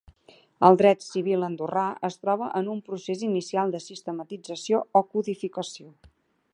El dret civil andorrà es troba en un procés inicial de sistematització o codificació.